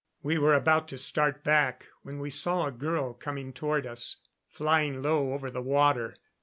We were about to start back when we saw a girl coming toward us, flying low over the water.